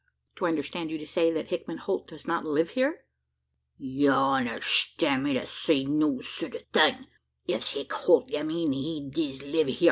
"Do I understand you to say, that Hickman Holt does not live here?" "You understan' me to say no sich thing. Eft's Hick Holt ye mean, he diz live hyur."